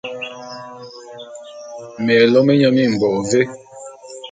Me lôme nye mimbôk vé?